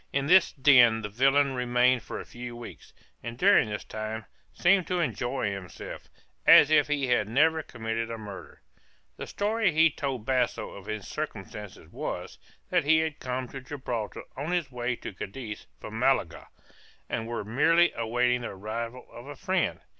In this den the villain remained for a few weeks, and during this time seemed to enjoy himself as if he had never committed a murder. The story he told Basso of his circumstances was, that he had come to Gibraltar on his way to Cadiz from Malaga, and was merely awaiting the arrival of a friend.